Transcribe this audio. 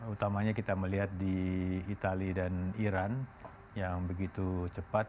utamanya kita melihat di itali dan iran yang begitu cepat